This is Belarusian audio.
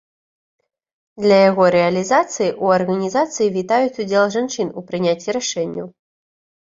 Для яго рэалізацыі ў арганізацыі вітаюць удзел жанчын у прыняцці рашэнняў.